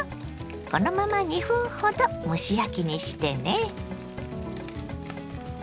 このまま２分ほど蒸し焼きにしてね。